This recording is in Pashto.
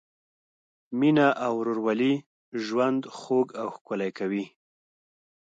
مینه او ورورولي ژوند خوږ او ښکلی کوي.